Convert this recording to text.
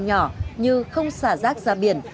nhỏ như không xả rác ra biển